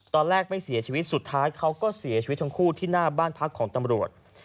ตอนแรกไม่เสียชีวิตสุดท้ายเขาก็เสียชีวิตทั้งคู่ที่หน้าบ้านพักของตำรวจ